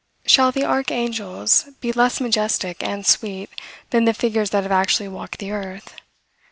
Shall the archangels be less majestic and sweet than the figures that have actually walked the earth?